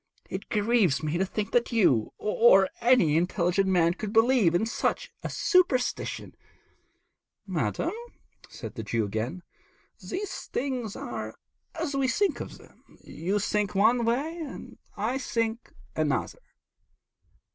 It grieves me to think that you, or any other intelligent man, could believe in such a superstition.' 'Madam,' said the Jew again, 'these things are as we think of them. You think one way and I another.'